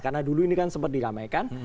karena dulu ini kan sempat diramaikan